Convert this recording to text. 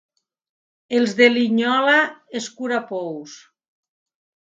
Els de Linyola, escurapous.